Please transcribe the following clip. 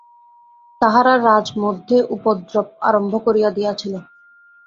তাহারা রাজ্যমধ্যে উপদ্রব আরম্ভ করিয়া দিয়াছিল।